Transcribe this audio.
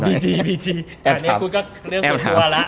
อ๋อบีจีนบีจีนอันนี้คุณก็เรียกส่วนตัวแล้ว